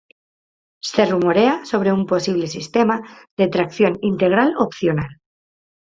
Se rumorea sobre un posible sistema de tracción integral opcional.